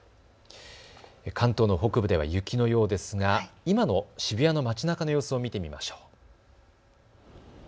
関東の北部では雪のようですが今の渋谷の街なかの様子を見てみましょう。